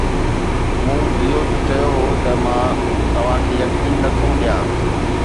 مون اهو نه چيو هو ته مان توهان کي يقين نه ٿو ڏيان